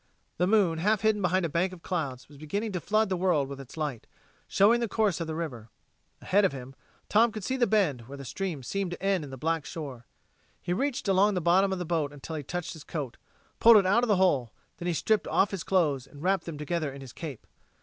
The moon, half hidden behind a bank of clouds, was beginning to flood the world with its light, showing the course of the river. Ahead of him, Tom could see the bend, where the stream seemed to end in the black shore. He reached along the bottom of the boat until he touched his coat, pulled it out of the hole; then he stripped off his clothes and wrapped them together in his cape.